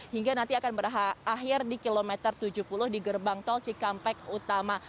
hingga nanti akan berakhir di kilometer tujuh puluh di gerbang tol cikampek utama